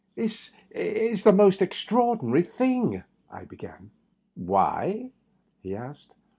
" This is the most extraordinary thing —^" I began. "Why?" he asked.